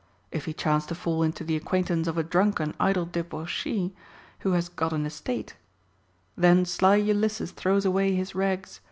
W he chance to fall into the acquaintance of a drunken, idle debauchee who has got an estate, Then sly Ulysses throws away his rags.